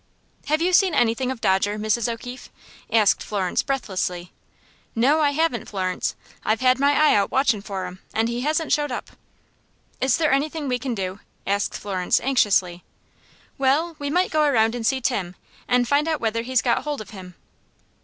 "Have you seen anything of Dodger, Mrs. O'Keefe?" asked Florence, breathlessly. "No, I haven't, Florence. I've had my eye out watchin' for him, and he hasn't showed up." "Is there anything we can do?" asked Florence, anxiously. "Well, we might go around and see Tim and find out whether he's got hold of him."